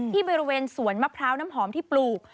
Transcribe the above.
บริเวณสวนมะพร้าวน้ำหอมที่ปลูก